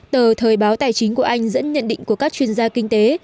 tờ thời báo tài chính của anh dẫn nhận định của các chuyên gia kinh tế